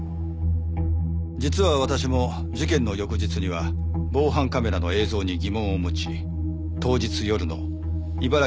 実は私も事件の翌日には防犯カメラの映像に疑問を持ち当日夜の茨城